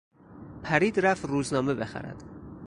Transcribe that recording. پرید رفت روزنامه بخرد.